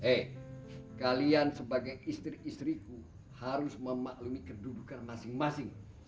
eh kalian sebagai istri istriku harus memaklumi kedudukan masing masing